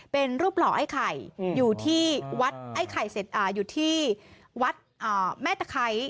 เป็นรูปหล่อไอ้ไข่อยู่ที่วัดไอ้ไข่อยู่ที่วัดแม่ตะไคร้